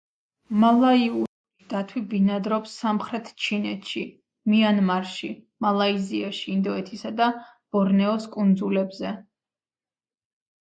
მალაიური დათვი ბინადრობს სამხრეთ ჩინეთში, მიანმარში, მალაიზიაში, ინდოეთისა და ბორნეოს კუნძულებზე.